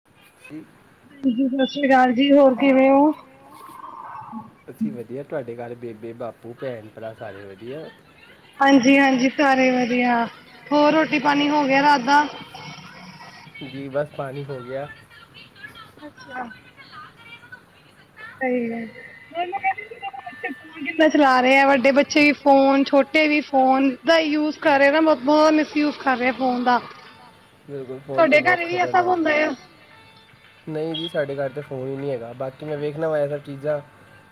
[inaudible] ਹਾਂਜੀ ਸਤਿ ਸ੍ਰੀ ਕਾਲ ਜੀ ਹੋਰ ਕਿਵੇਂ ਹੋ? ਅਸੀਂ ਵਧੀਆ ਤੁਹਾਡੇ ਘਰ ਬੇਬੇ, ਬਾਪੂ, ਭੈਣ, ਭਰਾ ਸਾਰੇ ਵਧੀਆ। ਹਾਂਜੀ। ਹਾਂਜੀ, ਹਾਂਜੀ ਸਾਰੇ ਵਧੀਆ ਹੋਰ ਰੋਟੀ ਪਾਣੀ ਹੋ ਗਿਆ ਰਾਤ ਦਾ। ਜੀ, ਬਸ ਪਾਣੀ ਹੋ ਗਿਆ। ਅੱਛਿਆ ਸਹੀ ਏ, ਮੈਨੂੰ ਕਹਿੰਦੀ ਸੀ ਜਦੋਂ [inaudible] ਕਿੰਨਾ ਚਲਾ ਰਹੇ ਆ ਵੱਡੇ ਬੱਚੇ ਵੀ ਫੋਨ ਛੋਟੇ ਵੀ ਫੋਨ ਦਾ ਯੂਜ ਕਰ ਰੇ ਆ ਨਾ ਬਹੁਤ ਮਿਸ ਯੂ ਕਰ ਰੇ ਆ ਫੋਨ ਦਾ। ਬਿਲਕੁਲ ਫੋਨ ਤੇ ਬਹੁਤ ਖ਼ਤਰਨਾਕ ਐ ਨਹੀਂ ਜੀ, ਸਾਡੇ ਘਰ ਤਾਂ ਫੋਨ ਹੀ ਨੀ ਹੈਗਾ ਬਾਕੀ ਮੈਂ ਵੇਖਣਾ ਵਾਇਰਲ ਚੀਜ਼ਾਂ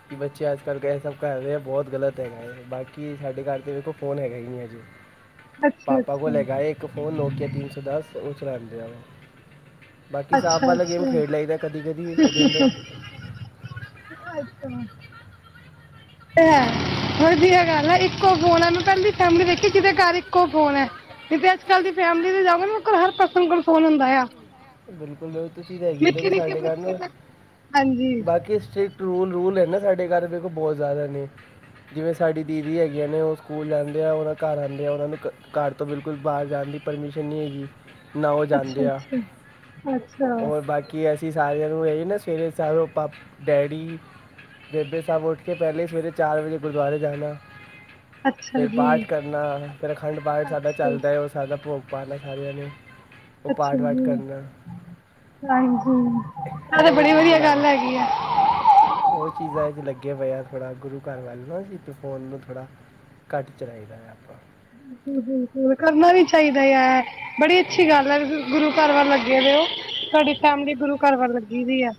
ਕਿ ਬੱਚੇ ਅੱਜ ਕੱਲ੍ਹ ਇਹ ਸਭ ਕਰ ਰਹੇ ਆ ਬਹੁਤ ਗ਼ਲਤ ਹੈਗਾ ਏ ਬਾਕੀ ਸਾਡੇ ਘਰ ਤੇ ਵੇਖੋ ਫੋਨ ਹੈਗਾ ਹੀ ਨਈ ਹਜੇ। ਪਾਪਾ ਕੋਲ ਹੈਗਾ ਏ ਇੱਕ ਫ਼ੋਨ ਨੋਕਿਆ ਤਿੰਨ ਸੌ ਦਸ ਉਹ ਚਲਾਦੇ ਆ ਵੇ ਬਾਕੀ ਸਾਪ ਵਾਲਾ ਗੇਮ ਖੇਡ ਲਈ ਦਾ ਕਦੀ-ਕਦੀ ਉਹਦੇ ਅੰਦਰ। ਅੱਛਾ ਏ, ਵਧੀਆ ਗੱਲ ਐ ਇੱਕੋ ਫੋਨ ਐ ਮੈਂ ਪਹਿਲੀ ਫੈਮਿਲੀ ਦੇਖੀ ਜਿਹਦੇ ਘਰ ਇੱਕੋ ਫੋਨ ਐ। ਨਈ ਤੇ ਅੱਜ ਕੱਲ੍ਹ ਦੀ ਫੈਮਿਲੀ ਦੇ ਜਾਓਗੇ ਨਾ ਉਨਾ ਕੋਲ ਹਰ ਪਰਸਨ ਕੋਲ ਫੋਨ ਹੁੰਦਾ ਆ। ਬਿਲਕੁਲ, ਤੁਸੀਂ ਤਾਂ ਹੈਗੀ ਐ ਦੇਖੋ ਸਾਡੇ ਘਰ ਨਾ ਬਾਕੀ ਸਟਰ ਕਟ ਰੂਲ-ਰੂਲ ਏ ਨਾ ਸਾਡੇ ਘਰ ਦੇਖੋ ਬਹੁਤ ਜਿਆਦਾ ਨੇ। ਜਿਵੇਂ ਸਾਡੀ ਦੀਦੀ ਹੈਗੀਆਂ ਨੇ ਉਹ ਸਕੂਲ ਜਾਂਦੇ ਆ ਉਹਨਾਂ ਘਰ ਆਂਦੇ ਆ ਉਹਨਾਂ ਨੂੰ ਕ ਘਰ ਤੋਂ ਬਿਲਕੁਲ ਬਾਹਰ ਜਾਣ ਦੀ ਪਰਮਿਸ਼ਨ ਨਹੀਂ ਹੈਗੀ ਨਾ ਉਹ ਜਾਂਦੇ ਆ। ਅ ਔਰ ਬਾਕੀ ਅਸੀਂ ਸਾਰਿਆ ਨੂੰ ਇਹੀ ਨਾ ਸਵੇਰੇ ਸਾਰੇ ਪਾਪ ਡੈਡੀ ਬੇਬੇ ਸਭ ਉੱਠ ਕੇ ਪਹਿਲੇ ਸਵੇਰੇ ਚਾਰ ਵਜੇ ਗੁਰੂਦੁਆਰੇ ਜਾਣਾ। ਫੇਰ ਪਾਠ ਕਰਨਾ ਫਿਰ ਅਖੰਡ-ਪਾਠ ਸਾਡਾ ਚਲਦਾ ਏ ਉਸ ਪਹਿਲਾਂ ਭੋਗ ਪਾਣਾ ਸਾਰੇ ਜਣੇ ਅੱਛਾ ਜੀ, ਹਾਂਜੀ ਆ ਤੇ ਬੜੀ ਵਧੀਆ ਗੱਲ ਹੈਗੀ ਐ। ਉਹ ਚੀਜ਼ਾ ਚ ਲੱਗੇ ਪਏ ਆ ਥੋੜ੍ਹਾ ਗੁਰੂ ਘਰ ਵੱਲ ਨਾ ਜੀ ਤੇ ਫੋਨ ਨੂੰ ਥੋੜਾ। ਘੱਟ ਚਲਾਈ ਦਾ ਐ ਆਪਾਂ। ਬਿਲਕੁਲ, ਬਿਲਕੁਲ ਕਰਨਾ ਵੀ ਚਾਹੀਦਾ ਏ ਐ ਬੜੀ ਅੱਛੀ ਗੱਲ ਐ ਗੁਰੂਘਰ ਵੱਲ ਲੱਗੇ ਵੇ ਹੋ ਤੁਹਾਡੀ ਫੈਮਿਲੀ ਗੁਰੂਘਰ ਵੱਲ ਲੱਗੀ ਵੀ ਐ।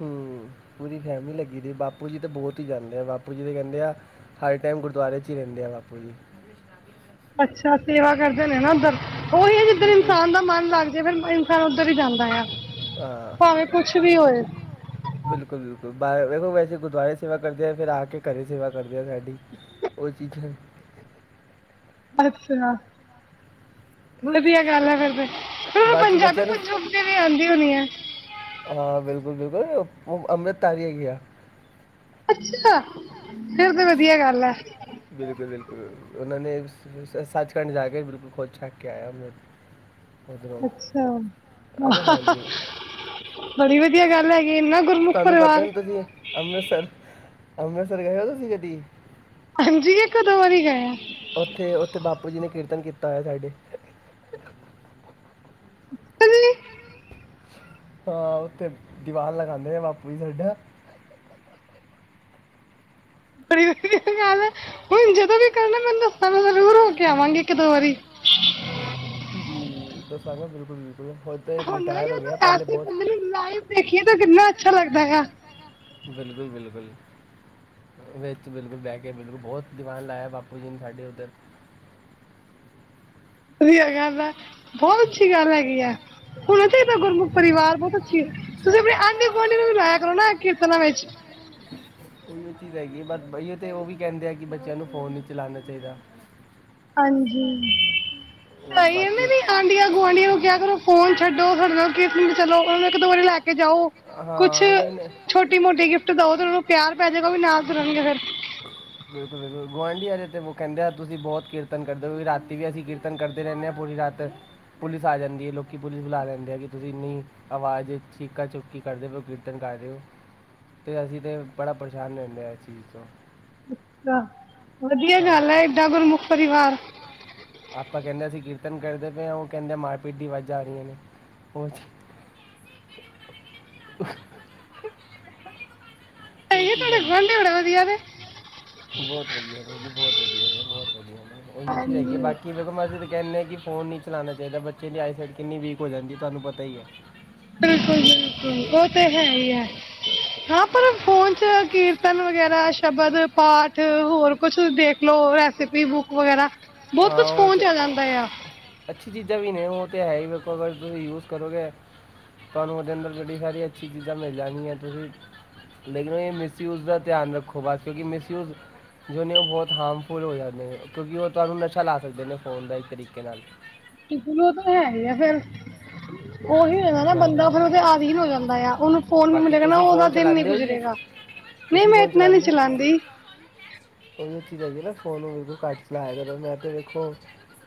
ਹੂੰ, ਪੂਰੀ ਫੈਮਲੀ ਲੱਗੀ ਦੀ ਬਾਪੂ ਜੀ ਤੇ ਬਹੁਤ ਹੀ ਜਾਂਦੇ ਆ ਬਾਪੂ ਜੀ ਤੇ ਕਹਿੰਦੇ ਆ ਹਰ ਟਾਈਮ ਗੁਰੂਦੁਆਰੇ ਚ ਹੀ ਰਹਿੰਦੇ ਆ ਬਾਪੂ ਜੀ ਅੱਛਾ ਸੇਵਾ ਕਰਦੇ ਨੇ ਨਾ ਉੱਧਰ ਉਹੀ ਐ ਜਿੱਧਰ ਇਨਸਾਨ ਦਾ ਮਨ ਲੱਗ ਜੇ ਫੇਰ ਇਨਸਾਨ ਉੱਧਰ ਹੀ ਜਾਂਦਾ ਏ ਆ। ਹਾਂ, ਭਾਵੇ ਕੁਝ ਵੀ ਹੋਵੇ। ਬਿਲਕੁਲ -ਬਿਲਕੁਲ ਬਬ ਵੈਸੇ ਗੁਰਦੁਆਰੇ ਸੇਵਾ ਕਰਦੇ ਆ ਫੇਰ ਆ ਕੇ ਘਰੇ ਸੇਵਾ ਕਰਦੇ ਆ ਸਾਡੀ [unintelligible] ਅੱਛਿਆ ਵਧੀਆ ਗੱਲ ਏ ਫਿਰ ਤੇ ਫਿਰ ਪੰਜਾਬੀ-ਪਜੂਬੀ ਵੀ ਆਂਦੀ ਹੋਣੀ ਐ। ਹਾਂ ਬਿਲਕੁਲ-ਬਿਲਕੁਲ ਉਹ [unintelligible] ਆ। ਅੱਛਾ, ਫੇਰ ਤੇ ਵਧੀਆ ਗੱਲ ਆ। ਬਿੱਲਕੁਲ-ਬਿੱਲਕੁਲ ਉਹਨਾਂ ਨੇ ਜੀ, ਸੱਚਖੰਡ ਜਾ ਕੇ ਬਿੱਲਕੁਲ ਖੁਦ ਛੱਕ ਕੇ ਆਇਆ ਮੈਂ ਅੱਛਾ, ਬੜੀ ਵਦੀਆ ਗੱਲ ਹੈਗੀ ਏੰਨਾ ਗੁਰਮੁੱਖ ਪਰਿਵਾਰ ਅੰਮ੍ਰਿਤਸਰ-ਅੰਮ੍ਰਿਤਸਰ ਗਏ ਓ ਤੁਸੀਂ ਕਦੀ ਹਾਂਜੀ ਇੱਕ ਦੋ ਵਾਰੀ ਗਏ ਆ ਉੱਥੇ-ਉੱਥੇ ਬਾਪੂ ਜੀ ਨੇ ਕੀਰਤਨ ਕੀਤਾ ਹੋਇਆ ਸਾਡੇ [unintelligible] ਹਾਂ ਉੱਥੇ ਦੀਵਾਨ ਲਗਾੰਦੇ ਨੇ ਬਾਪੂ ਜੀ ਸਾਡਾ ਗੱਲ ਏ ਹੁਨ ਜਦੋਂ ਵੀ ਕਰਨਾ ਮੈਨੂੰ ਦੱਸਾ ਮੈ ਜ਼ਰੂਰ ਹੋ ਕੇ ਆਵਾਂਗੀ ਇੱਕ ਦੋ ਵਾਰੀ ਜੀ, ਦੱਸਾਗੇ ਬਿੱਲਕੁਲ -ਬਿੱਲਕੁਲ ਉਹ ਮੈਂ ਕਿਹਾ ਅਸੀਂ ਬੰਦੇ ਨੂੰ ਲਾਈਵ ਦੇਖੀਏ ਤਾਂ ਕਿੰਨਾ ਅੱਛਾ ਲੱਗਦਾ ਹੈਗਾ ਬਿੱਲਕੁਲ-ਬਿੱਲਕੁਲ ਵਿੱਚ ਬਿੱਲਕੁਲ ਬਹਿ ਕੇ ਬਿੱਲਕੁਲ ਬਹੁਤ ਦੀਵਾਨ ਲਾਇਆ ਬਾਪੂ ਜੀ ਨੇ ਸਾਡੇ ਉੱਧਰ ਵਦੀਆ ਗੱਲ ਐ, ਬਹੁਤ ਅੱਛੀ ਗੱਲ ਹੈਗੀ ਐ ਹੋਇਆ ਚਾਹੀਦਾ ਗੁਰਮੁੱਖ ਪਰਿਵਾਰ ਬਹੁਤ ਤੁਸੀਂ ਵੀ ਆਂਢੀ- ਗੁਆਂਢੀ ਨੂੰ ਵੀ ਲਾਇਆ ਕਰੋ ਨਾ ਕੀਰਤਨਾਂ ਵਿੱਚ ਇਹੋ ਚੀਜ਼ ਹੈਗੀ ਏ ਬਇ ਤਾਂ ਉਹ ਵੀ ਕਹਿੰਦੇ ਆ ਕਿ ਬੱਚਿਆਂ ਨੂੰ ਫੋਨ ਨਹੀਂ ਚਲਾਣਾ ਚਾਹੀਦਾ ਹਾਂਜੀ ਸਹੀ ਏ ਮੇਰੀ ਆਂਢੀਆਂ-ਗੁਆਂਢੀਆਂ ਨੂੰ ਕਿਹਾ ਕਰੋ ਫੋਨ ਛੱਡੋ ਸਾਡੇ ਨਾਲ ਕੀਰਤਨ ਤੇ ਚਲੋ, ਉਹਨੂੰ ਇੱਕ ਦੋ ਵਾਰੀ ਲੈ ਕੇ ਜਾਓ ਕੁਝ ਛੋਟੀ -ਮੋਟੀ ਗਿਫ਼ਟ ਦਿਓ ਤੇ ਉਹਨਾਂ ਨੂੰ ਪਿਆਰ ਪੈ ਜੇਗਾ ਉਹ ਵੀ ਨਾਲ ਤੁਰਨਗੇ ਫਿਰ ਹ [unintelligible] ਬਿੱਲਕੁਲ- ਬਿੱਲਕੁਲ ਗੁਆਂਢੀ ਆਲੇ ਤੇ ਕਹਿੰਦੇ ਆ ਤੁਸੀਂ ਬਹੁਤ ਕੀਰਤਨ ਕਰਦੇ ਔ ਰਾਤੀ ਵੀ ਅਸੀਂ ਕੀਰਤਨ ਕਰਦੇ ਰਹਿੰਨੇ ਆ ਪੂਰੀ ਰਾਤ ਤੱਕ ਪੁਲਿਸ ਆ ਜਾਂਦੀ ਏ ਲੋਕੀ ਪੁਲਿਸ ਬੁਲਾ ਲੈਂਦੇ ਆ ਕਿ, ਤੁਸੀਂ ਇੰਨੀ ਆਵਾਜ਼ ਚੀਕਾਂ-ਚੁੱਕਾ ਕੀ ਕਰਦੇ ਪਏ ਕੀਰਤਨ ਕਰ ਰਹੋ ਔ ਅਤੇ ਅਸੀਂ ਤਾਂ ਬੜਾ ਪਰੇਸ਼ਾਨ ਰਹਿੰਦੇ ਹਾਂ ਇਸ ਚੀਜ਼ ਤੋਂ ਅੱਛਾ, ਵਦੀਆ ਗੱਲ ਐ ਐਡਾ ਗੁਰਮੁੱਖ ਪਰਿਵਾਰ ਆਪਾਂ ਕਹਿੰਦੇ ਅਸੀਂ ਕੀਰਤਨ ਕਰਦੇ ਪਏ ਹਾਂ ਉਹ ਕਹਿੰਦੇ ਮਾਰ-ਪੀਟ ਦੀ ਆਵਾਜ਼ਾਂ ਆ ਰਹੀਆਂ ਨੇ, ਹੋ ਜੀ [unintelligible] ਬਹੁਤ ਵਦੀਆ ਵੀਰ ਜੀ ਬਹੁਤ ਵਦੀਆ ਹੈ, ਬਹੁਤ ਵਧੀਆ ਉਹੀ ਚੀਜ਼ ਹੈਗੀ ਹੈ ਬਾਕੀ ਜਦੋ ਮਰਜ਼ੀ ਕਹਿਨੇ ਕਿ ਫੋਨ ਨਹੀਂ ਚਲਾਨਾ ਚਾਹੀਦਾ ਬੱਚੇ ਦੀ ਆਈ ਸਾਈਟ ਕਿੰਨੀ ਵੀਕ ਹੋ ਜਾਂਦੀ ਤੁਹਾਨੂੰ ਪਤਾ ਈ ਐ ਬਿਲਕੁਲ- ਬਿਲਕੁਲ ਉਹ ਤੇ ਹੈ ਹੀ ਐ ਹਾਂ, ਪਰ ਫੋਨ ਚ ਕੀਰਤਨ ਵਗੈਰਾ ਸ਼ਬਦ ਪਾਠ ਹੋਰ ਕੁਛ ਦੇਖਲੋ ਰੈਸਿਪੀ ਬੁੱਕ ਵਗੈਰਾ ਅਹ ਅੱਛੀ ਚੀਜ਼ਾਂ ਵੀ ਨੇ ਉਹ ਤੇ ਹੈ ਈ ਕਿ ਤੁਸੀ ਯੂਜ ਕਰੋਗੇ ਤੁਹਾਨੂੰ ਉਹਦੇ ਅੰਦਰ ਬੜੀ ਸਾਰੀ ਅੱਛੀ ਚੀਜ਼ਾਂ ਮਿਲ ਜਾਨਗੀਆਂ ਤੁਸੀਂ ਮੈਨੂੰ ਇਹ ਮਿਸਯੂਜ ਦਾ ਧਿਆਨ ਰੱਖੋ ਬਸ ਕਿਉਂਕਿ ਮਿਸਯੂਜ ਜੋ ਨੇ ਬਹੁਤ ਹਾਰਮਫੁਲ ਹੋ ਜਾਦੇ ਨੇ, ਕਿਉਂਕਿ ਉਹ ਤੁਹਾਨੂੰ ਨਸ਼ਾ ਲਾ ਸਕਦੇ ਨੇ ਫੋਨ ਦਾ ਇੱਕ ਤਰੀਕੇ ਨਾਲ [unintelligible] ਫਿਰ ਉਹੀ ਉਹੀ ਨਾ ਬੰਦਾ ਫਿਰ ਉਹਦੇ ਆਧੀਨ ਹੋ ਜਾਂਦਾ ਆ, ਉਹਨੂੰ ਫੋਨ ਮਿਲੇਗਾ ਨਾ ਉਹਦਾ ਦਿਨ ਨੀ ਗੁਜਰੇਗਾ ਨਹੀਂ, ਮੈਂ ਇਤਨਾ ਨੀ ਚਲਾਂਦੀ ਉਹੀ ਚੀਜ਼ ਹੈਗੀ ਨਾ ਫੋਨ ਘੱਟ ਚਲਾਇਆ ਕਰੋ ਮੈਂ ਤੇ ਵੇਖੋ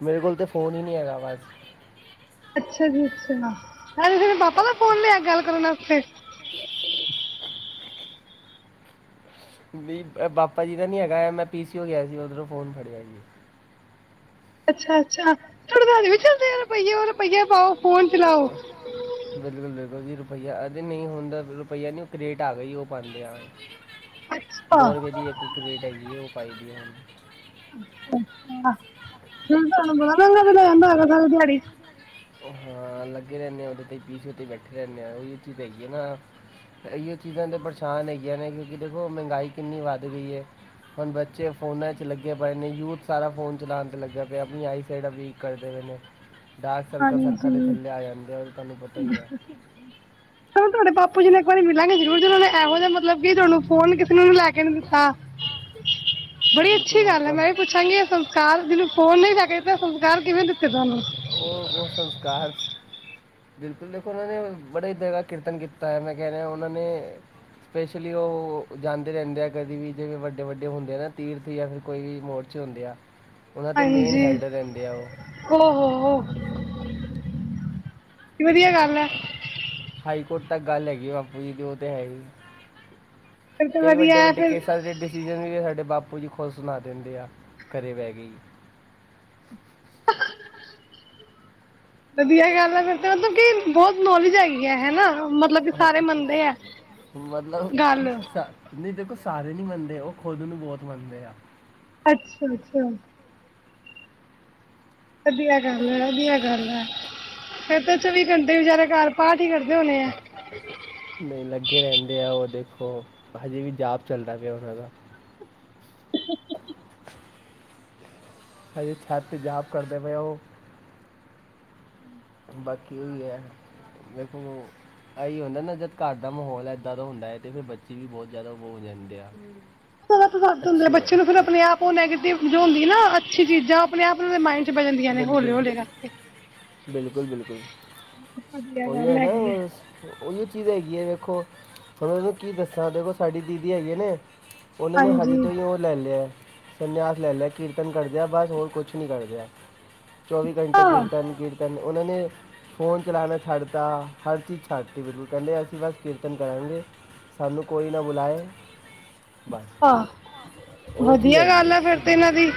ਮੇਰੇ ਕੋਲ ਤੇ ਫੋਨ ਈ ਨਹੀਂ ਹੈਗਾ ਬਸ ਅੱਛਾ ਜੀ ਅੱਛਾ, ਐ ਤੇਰੇ ਪਾਪਾ ਦਾ ਫੋਨ ਲਿਆ ਗੱਲ ਕਰਨ ਆਸਤੇ ਵੀ ੲ ਪਾਪਾ ਜੀ ਦਾ ਨੀ ਹੈਗਾ ਏ, ਮੈਂ ਪੀ ਸੀ ਓ ਗਿਆ ਸੀ, ਉਧਰੋਂ ਫੋਨ ਫੜਿਆ ਜੀ ਅੱਛਾ ਅੱਛਾ, ਤੁਹਾਡੇ ਵੱਲ ਇਹ ਵੀ ਚੱਲਦੇ ਆ ਰੁਪਈਏ ਉਹ ਰੁਪਈਏ ਪਾਓ ਕੌਨ ਚਲਾ ਅ ਬਿਲਕੁਲ-ਬਿਲਕੁਲ ਜੀ, ਰੁਪਈਆ ਅਰੇ ਨਈੰ ਹੁੰਦਾ ਰੁਪਈਆ ਨੀ ਓ ਕਰੇਟ ਆ ਗਈ ਓ ਪਾਂਦੇ ਆ। ਦੋ ਰੁਪਏ ਦੀ ਇੱਕ ਕਰੇਟ ਹੈਗੀ ਐ ਓ ਪਾਈ ਦੀ ਐ ਹੁਨ। ਅੱਛਾ-ਅੱਛਾ, ਕਿ ਤੁਆਨੂੰ ਬੁਰਾ ਤਾਂ ਨੀ ਲਗਦਾ ਰੈਂਦਾ ਅੱਜ-ਕੱਲ ਦਿਹਾੜੀ। ਹਾਂ ਲੱਗੇ ਰੈਨੇ ਆ ਓਦੇ ਤੇ ਈ ਪੀ ਸੀ ਓ ਤੇ ਈ ਬੈਠੇ ਰੈਨੇ ਆਂ ਓਈਓ ਚੀਜ਼ ਹੈਗੀ ਐ ਨਾ ਏ ਈ ਓ ਚੀਜ਼ਾਂ ਤੇ ਪਰੇਸ਼ਾਨ ਹੈਗੀਆਂ ਨੇ, ਕਿਓੰਕਿ ਦੇਖੋ ਮੈਂਗਾਈ ਕਿੰਨੀ ਵਦ ਗਈ ਐ। ਹੁਨ ਬੱਚੇ ਫੋਨਾਂ ਚ ਲੱਗੇ ਪਏ ਨੇ, ਯੂਥ ਸਾਰਾ ਫੋਨ ਚਲਾਨ ਤੇ ਲੱਗਾ ਪਿਆ, ਆਪਨੀ ਆਈ ਸਾਈਡਾ ਵੀਕ ਕਰਦੇ ਪਏ ਨੇ। ਡਾਰਕ ਸਰਕਲਜ਼ ਅੱਖਾਂ ਦੇ ਥੱਲੇ ਆ ਜਾਂਦੇ ਆ, ਤੁਆਨੂੰ ਪਤਾ ਈ ਐ। ਚਲੋ ਤੁਆਡੇ ਬਾਪੂ ਜੀ ਨੂੰ ਇੱਕ ਵਾਰ ਮਿਲਾਂਗੇ ਜ਼ਰੂਰ, ਜਿਨਾਂ ਨੇ ਐਹੋ ਜੇ ਮਤਲਬ ਕਿ ਥੋਨੂੰ ਫੋਨ ਕਿਸੇ ਨੂੰ ਓਨੇ ਲੈ ਕੇ ਨੀ ਦਿੱਤਾ। ਬੜੀ ਅੱਛੀ ਗੱਲ ਐ ਮੈਂ ਵੀ ਪੁੱਛਾਂਗੀ, ਏ ਸੰਸਕਾਰ ਜਿਨੇ ਫੋਨ ਨਈੰ ਲੈ ਕੇ ਦਿੱਤਾ, ਏ ਸੰਸਕਾਰ ਕਿਵੇਂ ਦਿੱਤੇ ਤੁਆਨੂੰ। ਓ-ਓ ਸੰਸਕਾਰ ਬਿਲਕੁਲ ਦੇਖੋ, ਓਨਾਂ ਨੇ ਬੜੇ ਜਗਾ ਕੀਰਤਨ ਕੀਤਾ ਐ ਮੈਂ ਕੈ ਰਿਆ ਓਨਾਂ ਨੇ ਸਪੈਸ਼ਲੀ ਓ ਜਾਂਦੇ ਰੈੰਦੇ ਆ ਕਦੇ ਵੀ ਜਿਵੇਂ ਵੱਡੇ-ਵੱਡੇ ਓਹ ਹੁੰਦੇ ਆ ਨਾ ਤੀਰਥ ਯਾਂ ਫਿਰ ਕੋਈ ਵੀ ਮੋਰ ਚ ਹੁੰਦੇ ਆ, ਓਨਾਂ ਦੇ ਮੇਨ ਹੈਡ ਰੈਂਦੇ ਆ ਓ। ਓ ਹੋ-ਹੋ। [inaudible] ਵਦੀਆ ਗੱਲ ਐ। ਹਾਈ ਕੋਟ ਤੱਕ ਗੱਲ ਹੈਗੀ ਐ ਬਾਪੂ ਜੀ ਦੀ ਓ ਤੇ ਹੈ ਈ। ਕਈ ਵੱਡੇ-ਵੱਡੇ ਕੇਸਾਂ ਦੇ ਡਿਸ ਸੀਜ਼ਨ ਵੀ ਸਾਡੇ ਬਾਪੂ ਜੀ ਖੁਦ ਸੁਨਾ ਦਿੰਦੇ ਆ ਘਰੇ ਬੈ ਕੇ ਜੀ। ਵਦੀਆ ਗੱਲ ਐ ਫਿਰ ਤੇ ਮਤਲਬ ਕਿ ਬੋਤ ਨੌਲੇਜ ਹੈਗੀ ਐ ਹੈਨਾ ਮ ਮਤਲਬ ਕਿ ਸਾਰੇ ਮੰਨਦੇ ਐ ਗੱਲ। ਨਈੰ ਦੇਖੋ ਸਾਰੇ ਨੀ ਮੰਨਦੇ, ਓ ਖੁਦ ਨੂੰ ਬੋਤ ਮੰਨਦੇ ਆ। ਅੱਛਾ-ਅੱਛਾ। ਵਦੀਆ ਗੱਲ ਐ, ਵਦੀਆ ਗੱਲ ਐ, ਫਿਰ ਤਾਂ ਚੌਵੀ ਘੰਟੇ ਵਿਚਾਰੇ ਘਰ ਪਾਠ ਈ ਕਰਦੇ ਹੋਨੈ ਐ। ਨਈੰ ਲੱਗੇ ਰੈਂਦੇ ਆ ਓ ਦੇਖੋ, ਹਜੇ ਵੀ ਜਾਪ ਚੱਲਦਾ ਪਿਆ ਓਨਾਂ ਦਾ। [inaudible] ਹਜੇ ਛੱਤ ਤੇ ਜਾਪ ਕਰਦੇ ਪਏ ਆ ਓ। ਹੂੰ। ਬਾਕੀ ਓਈ ਐ ਵੇਖੋ‌‌ ਐਈ ਹੁੰਦਾ ਨਾ ਜਦ ਘਰ ਦਾ ਮਹੌਲ ਏਦਾਂ ਦਾ ਹੁੰਦਾ ਐ ਤੇ ਫਿਰ ਬੱਚੇ ਵੀ ਬੋਹ ਜ਼ਾਅਦਾ ਵੋ ਹੋ ਜਾਂਦੇ ਆ, ਹੂੰ। [inaudible] ਦਸਦੇ ਹੁੰਦੈ ਬੱਚੇ ਨੂੰ ਫਿਰ ਆਪਨੇ ਆਪ ਓ ਨੈਗੇਟਿਵ ਜੋ ਹੁੰਦੀ ਐ ਨਾ ਅੱਛੀ ਚੀਜ਼ਾਂ ਓ ਆਪਨੇ ਆਪ ਓਨਾਂ ਦੇ ਮਾਇੰਡ ਚ ਬੈ ਜਾਂਦੀਆਂ ਨੇ ਹੌਲੇ-ਹੌਲੇ ਨਾ ਬਿਲਕੁਲ-ਬਿਲਕੁਲ ਓਈਓ ਐ ਨਾ ਓਈਓ ਚੀਜ਼ ਹੈਗੀ ਆ ਵੇਖੋ ਹੁਨ ਮੈਂ ਥੋਨੂ ਕੀ ਦੱਸਾਂ ਦੇਖੋ ਸਾਡੀ ਦੀਦੀ ਹੈਗੀਆ ਨੇ ਓਨਾਂ ਨੇ ਹਜੇ ਤੋਂ ਈ ਓ ਲੈ ਲਿਆ ਐ ਸੰਨਿਆਸ ਲੈ ਲਿਆ ਕੀਰਤਨ ਕਰਦੇ ਆ ਬਸ ਹੋਰ ਕੁਛ ਨੀ ਕਰਦੇ ਆ। ਚੌਵੀ ਘੰਟੇ ਕੀਰਤਨ-ਕੀਰਤਨ ਓਨਾਂ ਨੇ ਫੋਨ ਚਲਾਨਾ ਛੱਡਤਾ, ਹਰ ਚੀਜ਼ ਛੱਡਤੀ ਬਿਲਕੁਲ ਕੈੰਦੇ ਅਸੀਂ ਬਸ ਕੀਰਤਨ ਕਰਾਂਗੇ। ਸਾਨੂੰ ਕੋਈ ਨਾ ਬੁਲਾਏ। ਆਹ ਵਦੀਆ ਗੱਲ ਆ ਫੇਰ ਤੇ ਏਨਾਂ ਦੀ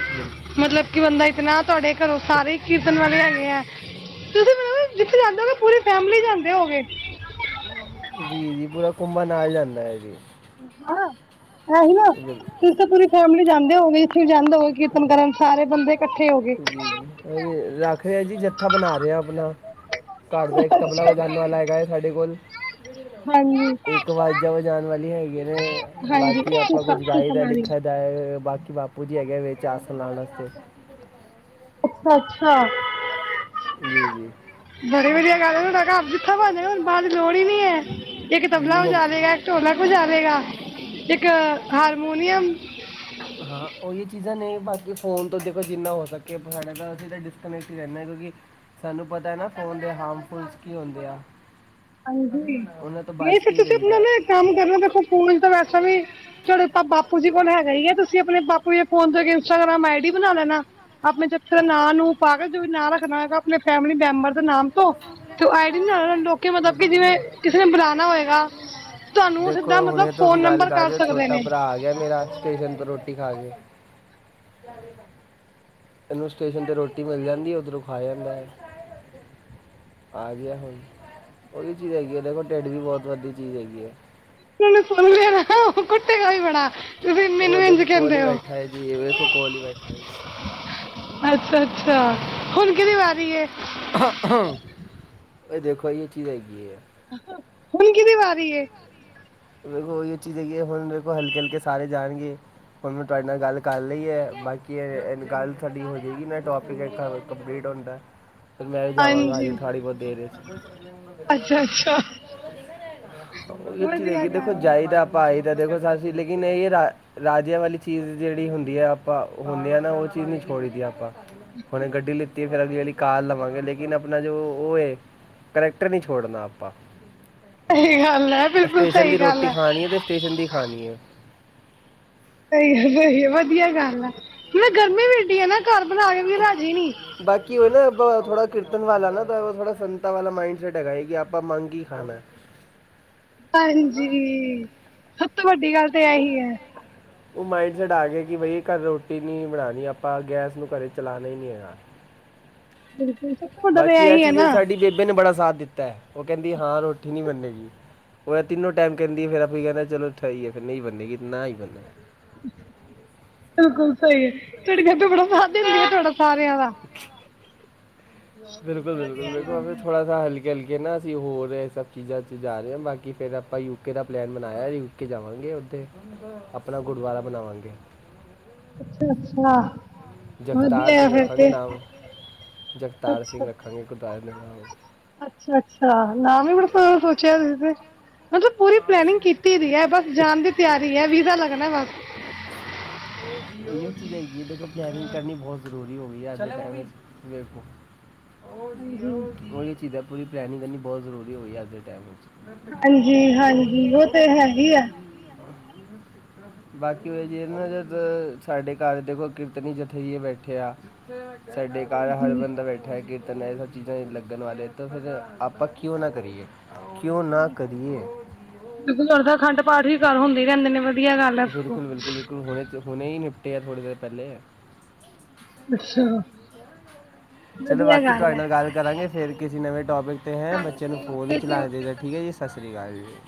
ਮਤਲਬ ਕਿ ਬੰਦਾ ਇਤਨਾ ਤੁਆਡੇ ਕਰੋਂ ਸਾਰੇ ਕੀਰਤਨ ਵਾਲੇ ਹੈਗੇ ਐ ਤੁਸੀਂ ਮਤਲਬ ਜਿੱਥੇ ਜਾਂਦੇ ਹੋਗੇ ਪੂਰੀ ਫੈਮਿਲੀ ਜਾਂਦੇ ਹੋਗੇ। ਜੀ-ਜੀ ਪੂਰਾ ਕੁੰਭਾ ਨਾਲ ਜਾਂਦਾ ਐ ਜੀ। ਹਾਂ, ਏ ਹੀ ਨਾ ਕਿ ਤਾਂ ਪੂਰੀ ਫੈਮਿਲੀ ਜਾਂਦੇ ਹੋਓਗੇ ਜਿਥੇ ਵੀ ਜਾਂਦੇ ਹੋਓਗੇ ਕੀਰਤਨ ਕਰਨ ਸਾਰੇ ਬੰਦੇ ਕੱਠੇ ਹੋ ਗਏ ਜੀ-ਜੀ ਕੋਈ ਨੀ ਰੱਖ ਰੇਆ ਜੀ ਜੱਥਾ ਬਣਾ ਰੇਆ ਆਪਣਾ ਕਾੱਰ ਦਾ ਇੱਕ ਤਬਲਾ ਵਜਾਣ ਵਾਲਾ ਹੈਗਾ ਏ ਸਾਡੇ ਕੋਲ ਏਕ ਵਾਜ਼ਾਂ ਵਜਾਣ ਵਾਲੀ ਹੈਗੀ ਨੇ, ਬਾਕੀ ਆਪਾਂ ਕੁੱਝ ਗਾਏ ਦਾ ਲਿਖਿਆ [unintelligible] ਬਾਕੀ ਬਾਪੂ ਜੀ ਹੈਗੇ ਵਿਚ ਅਸ ਲਾਣ ਆਸਤੇ। ਅੱਛਾ-ਅੱਛਾ। ਜੀ-ਜੀ। ਬੜੀ ਵਧੀਆ ਗੱਲ ਐ ਤਾਡਾ ਕਾੱਰ ਜਿੱਥਾ ਬਣਜੇਗਾ ਹੁਨ ਬਾਦ ਦੀ ਲੋੜ ਹੀ ਨੀ ਐ, ਏਕ ਤਬਲਾ ਬਜਾ ਲੇਗਾ, ਏ ਢੋਲਕ ਬਜਾ ਲੇਗਾ, ਇੱਕ ਹਾਰਮੋਨੀਅਮ ਹਾਂ ਓਈ ਓ ਚੀਜ਼ਾਂ ਨੇ, ਬਾਕੀ ਫੋਨ ਤੋਂ ਦੇਖੋ ਜਿੰਨਾ ਹੋ ਸਕੇ ਅਪ ਸਾਡੇ ਤਾਂ ਅਸੀਂ ਤਾਂ ਡਿਸਕਨੈਕਟ ਹੀ ਰੈਨਾ ਕਿਉਂਕਿ ਸਾਨੂੰ ਪਤਾ ਐ ਨਾ ਫ਼ੋਨ ਦੇ ਹਾਰਮਫੁੱਲਸ ਕੀ ਹੁੰਦੇ ਆ। ਓਨਾਂ ਤੋਂ ਬਚ ਕੇ ਈ ਰਈਦਾ। ਤੁਆਡੇ ਤਾਂ ਬਾਪੂ ਜੀ ਕੋਲ ਹੈਗਾ ਈ ਐ ਤੁਸੀਂ ਆਪਣੇ ਬਾਪੂ ਦੇ ਫੋਨ ਤੋ ਇੱਕ ਇੰਸਟਾਗ੍ਰਾਮ ਆਈ ਡੀ ਬਣਾ ਲੈਣਾ। ਆਪਣੇ ਜੱਥੇ ਦਾ ਨਾਂ ਨੂੰ ਪਾਕੇ, ਜੋ ਵੀ ਨਾਂ ਰੱਖਣਾ ਹੈਗਾ ਆਪਣੇ ਫੈਮਿਲੀ ਮੈਂਬਰ ਦਾ ਨਾਮ ਤੋਂ ਆਈ ਡੀ ਬੜਾ ਲੈ [unintelligible] ਦੇਖੋ ਹੁਣੇ ਤੁਸੀਂ ਗੱਲ ਕਰ ਰੈ ਓ ਛੋਟਾ ਭਰਾ ਆ ਗਿਆ ਮੇਰਾ ਸਟੇਸ਼ਨ ਤੋਂ ਰੋਟੀ ਖਾ ਕੇ। ਏਨੂੰ ਸਟੇਸ਼ਨ ਤੇ ਰੋਟੀ ਮਿਲ ਜਾਂਦੀ ਉੱਧਰੋਂ ਖਾ ਆਂਦਾ ਐ। ਆ ਗਿਆ ਹੁਣ, ਓਈ ਓ ਚੀਜ਼ ਹੈਗੀ ਆ, ਦੇਖੋ ਢਿੱਡ ਵੀ ਬੋਤ ਵੱਡੀ ਚੀਜ਼ ਹੈਗੀ ਐ। ਜੇ ਓਨੇ ਸੁਣ ਲਿਆ ਨਾ ਕੁੱਟੇਗਾ ਵੀ ਬੜਾ ਵੀ ਮੈਨੂੰ ਇੰਝ ਕੈਂਦੇ ਓ। ਠ ਹੈ ਜੀ ਵੇਖੋ ਕੋਲ ਈ ਬੈਠਾ ਐ ਜੀ। ਅੱਛਾ-ਅੱਛਾ, ਹੁਣ ਕਿਦੀ ਵਾਰੀ ਏ। ਏਹ ਦੇਖੋ ਐ ਚੀਜ਼ ਹੈਗੀ ਐਂ। ਹੁਣ ਕਿਥੀ ਵਾਰੀ ਏ। ਦੇਖੋ ਓਈ ਓ ਚੀਜ਼ ਹੈਗੀ ਐ, ਹੁਣ ਮੇਰੇ ਕੋਲ ਹਲਕੇ-ਹਲਕੇ ਸਾਰੇ ਜਾਣਗੇ। ਹੁਣ ਮੈਂ ਤੁਆਡੇ ਨਾਲ ਗੱਲ ਕਰ ਲਈ ਐ ਬਾਕੀ ਏ ਗੱਲ ਸਾਡੀ ਹੋਜੇਗੀ ਨਾ ਟੋਪਿਕ ਏ ਕੰਪਲੀਟ ਹੁੰਦਾ ਫੇਰ ਮੈਂ ਵੀ ਜਾਵਾਂਗਾ ਹਜੇ ਥਾੜਹੀ ਬੋਤ ਦੇਰ ਵਿੱਚ [unintelligible] ਲੁਥੀ ਰੈਗੀ ਦੇਖੋ ਜਾਈਦਾ, ਆਪਾ ਆਈਦਾ ਦੇਖੋ ਸਸੀ ਲੇਕਿਨ ਏਈ ਰਾ ਰਾਜਿਆਂ ਵਾਲੀ ਚੀਜ਼ ਜੇੜੀ ਹੁੰਦੀ ਐ ਆਪਾਂ ਹੁੰਦੇ ਹਾਂ ਨਾ ਓ ਚੀਜ਼ ਨਈ ਛੋੜੀ ਦੀ ਆਪਾਂ। ਹੁਨੇ ਗੱਡੀ ਲਿੱਤੀ ਏ। ਫੇਰ ਅਗਲੀ ਅਲੀ ਕਾਰ ਲਵਾਂਗੇ ਲੇਕਿਨ ਆਪਣਾ ਜੋ ਓ ਏ ਕਰੈਕਟਰ ਨੀ ਛੋੜਨਾ ਆਪਾਂ। ਸਹੀ ਗੱਲ ਏ। ਸਟੇਸ਼ਨ ਦੀ ਰੋਟੀ ਖਾਨੀ ਏ ਤੇ ਸਟੇਸ਼ਨ ਦੀ ਖਾਨੀ ਏ। ਸਈ ਹੈ-ਸਈ ਹੈ ਵਧੀਆ ਗੱਲ ਐ ਮੈਂ ਗਰਮੀ ਵੀ ਵੇਡੀ ਐ ਨਾ ਘਰ ਬਣਾ ਕੇ ਵੀ ਰਾਜੀ ਨੀ। ਬਾਕੀ ਓਨਾ ਬ ਥੋੜਾ ਕੀਰਤਨ ਵਾਲਾ ਨਾ ਓ ਤਾਂ ਥੋੜਾ ਸੰਤਾਂ ਵਾਲਾ ਮਾਈੰਡ ਸੈਟ ਹੈਗਾ ਕੇ ਆਪਾਂ ਮੰਗ ਕੇ ਈ ਖਾਨਾ। ਹਾਂਜੀ, ਸਭ ਤੋਂ ਵੱਡੀ ਗੱਲ ਤਾਂ ਏਹੀ ਏ। ਓਮਾਈਡ ਸੈਟ ਆ ਗਿਆ ਕਿ ਬਈ ਘਰ ਰੋਟੀ ਨੀ ਬਣਾਣੀ ਆਪਾਂ ਗੈਸ ਨੂੰ ਘਰੇ ਚਲਾਣਾ ਈ ਨੀ ਹੈਗਾ। ਬਿਲਕੁਲ, ਸਭ ਤੋਂ ਵੱਡਾ ਤਾਂ ਏਹੀ ਏ ਨਾ। ਮੈਨੂੰ ਬੜਾ ਸਾਥ ਦਿੱਤਾ ਏ ਓ ਕੈਂਦੀ ਹਾਂ ਰੋਟੀ ਨੀ ਬੰਨੇਗੀ। ਓ ਏ ਤਿੰਨੋ ਟੈਮ ਕੈਂਦੀ ਏ ਫੇਰ ਆਪਾ ਐਹੀ ਕੇਨੇ ਚਲੋ ਠਈ ਏ ਫੇਰ ਨਈ ਬੰਨੇਗੀ ਤੇ ਨਾ ਹੀ ਬੰਨੇ। ਬਿਲਕੁਲ ਸਹੀ ਏ ਤੁਹਾਡੀ ਬੇਬੇ ਬੜਾ ਸਾਥ ਦੇਂਦੀ ਆ ਤੁਆਡਾ ਸਾਰਿਆਂ ਦਾ। ਬਿਲਕੁਲ ਬਿਲਕੁਲ ਦੇਖੋ ਅਭੀ ਥੋੜਾ ਸਾ ਹਲ। ਚਲਕੇ ਨਾ ਅਸੀਂ ਹੋਰ ਇਹ ਸਭ ਚੀਜ਼ਾਂ ਚ ਜਾ ਰਹੇ ਹਾਂ ਬਾਕੀ ਫਿਰ ਆਪਾਂ ਯੂਕੇ ਦਾ ਪਲੈਨ ਬਣਾਇਆ। ਉਥੇ ਆਪਣਾ ਗੁਰਦੁਆਰਾ ਬਣਾਵਾਂਗੇ। ਅੱਛਾ-ਅੱਛਾ। ਜਗਤਾੜ ਸਿੰਘ ਰੱਖਾਂਗੇ ਨਾਮ ਜਗਤਾੜ ਸਿੰਘ ਰੱਖਾਂਗੇ ਗੁਰਦੁਆਰੇ ਦਾ ਨਾਮ। ਅੱਛਾ ਅੱਛਾ ਨਾਮ ਵੀ ਬੜਾ ਸੋਚਿਆ ਤੁਸੀ ਤੇ ਮਤਲਬ ਪੂਰੀ ਪਲੈਨਿੰਗ ਕੀਤੀ। ਕੀਤੀ ਦੀ ਏ ਬਸ ਜਾਣ ਦੀ ਤਿਆਰੀ ਏ ਵੀਜ਼ਾ ਲਗਣਾ ਏ ਬਸ। ਦੇਖੋ ਪਲੇਨਿੰਗ ਕਰਨੀ ਬਹੁਤ ਜ਼ਰੂਰੀ ਹੋ ਗਈ ਏ ਅਜ ਦੇ ਟਾਇਮ ਚ। ਵੇਖੋ। ਉਹੀ ਚੀਜ਼ਾਂ ਪੂਰੀ ਪਲੈਨਿੰਗ ਕਰਨੀ ਬਹੁਤ ਜ਼ਰੂਰੀ ਹੋਈ ਅਜ ਦੇ ਟੇਮ ਵਿੱਚ। [unintelligible] ਬਾਕੀ ਓ ਜੀ ਨਾ ਜਦ ਸਾਡੇ ਘਰ ਦੇਖੋ ਕੀਰਤਨੀ ਜਥੇ ਜੀ ਬੈਠੇ ਆ। ਸਾਡੇ ਘਰ ਹਰ ਬੰਦਾ ਬੈਠਾ ਹੈ। ਤਾਂ ਏ ਸਭ ਚੀਜ਼ਾਂ ਲੱਗਣ ਵਾਲੇ ਤਾਂ ਫਿਰ ਆਪਾਂ ਕਿਉਂ ਨਾ ਕਰੀਏ ਕਿਉਂ ਨਾ ਕਰੀਏ। ਕਿਉਂਕਿ ਅਖੰਡ ਪਾਠ ਵੀ ਘਰ ਹੁੰਦੇ ਈ ਰਹਿੰਦੇ ਨੇ ਵਧੀਆ ਗੱਲ ਐ ਸਕੋ। ਹੁਣੇ ਹੀ ਨਿਪਟੇ ਆ ਥੋੜ੍ਹੀ ਦੇਰ ਪੇਲੈ। ਅੱਛਾ। [inaudible] ਚਲੋ ਬਾਕੀ ਤੁਹਾਡੇ ਨਾਲ ਗੱਲ ਕਰਾਂਗੇ ਫੇਰ ਕਿਸੇ ਨਵੇਂ ਟੋਪਿਕ ਤੇ ਹੈ ਬੱਚਿਆਂ ਨੂੰ ਫੋਨ ਨਹੀਂ ਚਲਾਨਾ ਚਾਹੀਦਾ ਠੀਕ ਐ ਜੀ। ਸਤਿ ਸ੍ਰੀ ਅਕਾਲ ਜੀ।